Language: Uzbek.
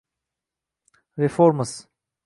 Reforms